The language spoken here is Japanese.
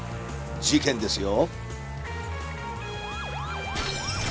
事件ですよ。